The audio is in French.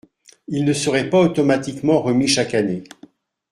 Il ne serait pas automatiquement remis chaque année.